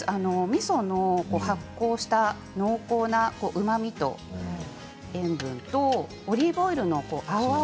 みその発酵したうまみと塩分とオリーブオイルの青々